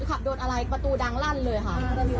ขับโดนอะไรประตูดังลั่นเลยค่ะ